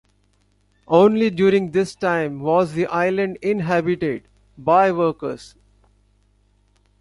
Only during this time was the island inhabited, by workers.